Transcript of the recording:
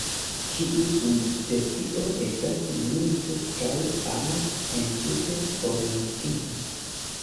Tiu subspecio estas nune "preskaŭ aŭ entute formortinta".